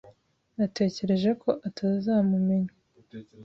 Natekereje ko atazamumenya.